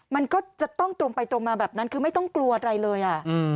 มันก็จะต้องตรงไปตรงมาแบบนั้นคือไม่ต้องกลัวอะไรเลย